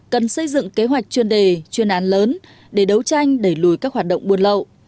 cần xây dựng kế hoạch chuyên đề chuyên án lớn để đấu tranh đẩy lùi các hoạt động buôn lậu